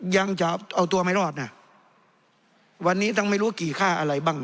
ยังจะเอาตัวไม่รอดนะวันนี้ตั้งไม่รู้กี่ค่าอะไรบ้าง